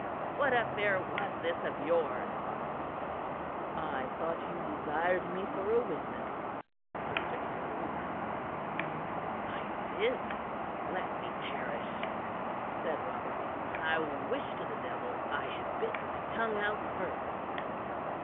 "What affair was this of yours?" "I thought you desired me for a witness," Mr. Caryll reminded him. "I did, let me perish!" said Rotherby. "And I wish to the devil I had bit my tongue out first."